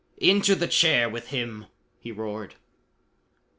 "Into the chair with him!" he roared.